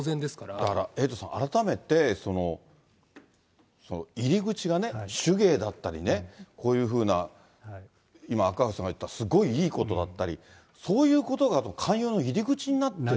だからエイトさん、改めて、入り口がね、手芸だったりね、こういうふうな、今、赤星さんが言ったすごいいいことだったり、そういうことが勧誘の入り口になってる。